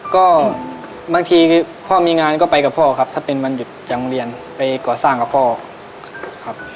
ก็บางทีพ่อมีงานก็ไปกับพ่อครับถ้าเป็นวันหยุดจากโรงเรียนไปก่อสร้างกับพ่อครับ